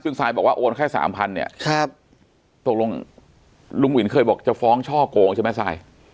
ซึ่งซายบอกว่าโอนแค่สามพันเนี่ยตกลงลุงวินเคยบอกจะฟ้องช่อโกงใช่ไหมทราย